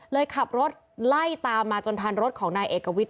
ขับรถไล่ตามมาจนทันรถของนายเอกวิทย